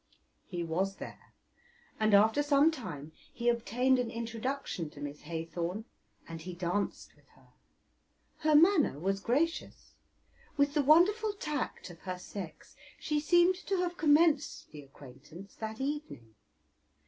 He was there, and after some time he obtained an introduction to Miss Haythorn and he danced with her. Her manner was gracious. With the wonderful tact of her sex, she seemed to have commenced the acquaintance that evening.